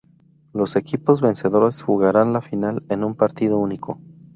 Los equipos vencedores jugarán la final en un partido único.